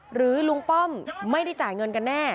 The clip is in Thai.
หรือลุงป้อมไม่ได้จ่ายเงินกันแน่